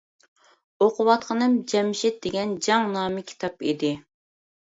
ئوقۇۋاتقىنىم «جەمشىت» دېگەن جەڭنامە كىتاب ئىدى.